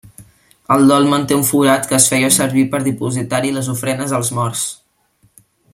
El dolmen té un forat que es feia servir per dipositar-hi les ofrenes als morts.